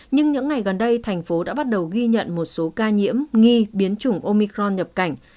nhưng những ngày gần đây thành phố đã bắt đầu ghi nhận một số ca nhiễm nghi biến chủng omicron nhập cảnh